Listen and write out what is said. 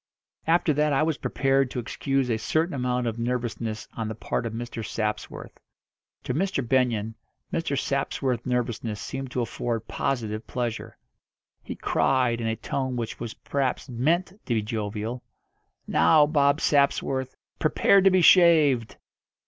After that I was prepared to excuse a certain amount of nervousness on the part of Mr. Sapsworth. To Mr. Benyon Mr. Sapsworth's nervousness seemed to afford positive pleasure. He cried, in a tone which was perhaps meant to be jovial: "Now, Bob Sapsworth, prepare to be shaved!"